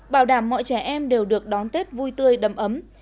bảo đảm mọi trẻ em đều được đón tết vui tươi đầm ấm